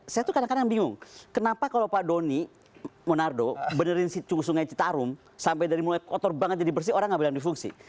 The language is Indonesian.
saya tuh kadang kadang bingung kenapa kalau pak doni monardo benerin sungai citarum sampai dari mulai kotor banget jadi bersih orang nggak bilang difungsi